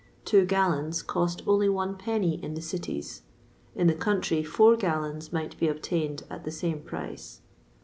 Two gallons cost only one penny in the cities; in the country, four gallons might be obtained at the same price.